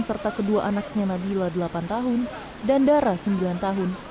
serta kedua anaknya nabila delapan tahun dan dara sembilan tahun